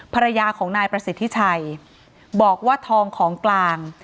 ภรรยาของนายประสิทธิชัยบอกว่าทองของกลาง